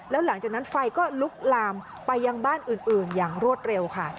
แล้วหลังจากนั้นไฟก็ลุกลามไปยังบ้านอื่นอย่างรวดเร็วค่ะ